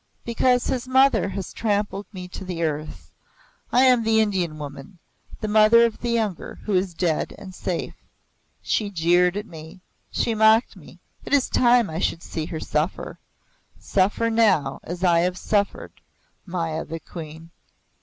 "Because his mother has trampled me to the earth. I am the Indian woman the mother of the younger, who is dead and safe. She jeered at me she mocked me. It is time I should see her suffer. Suffer now as I have suffered, Maya the Queen!"